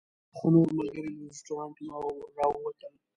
خو نور ملګري له رسټورانټ نه راووتل.